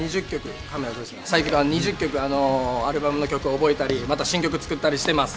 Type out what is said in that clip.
２０曲、アルバムの曲を覚えたり、また新曲作ったりしてます。